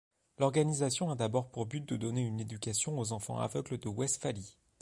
L'organisation a d'abord pour but de donner une éducation aux enfants aveugles de Westphalie.